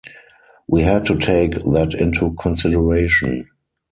We had to take that into consideration.